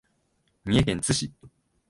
三重県津市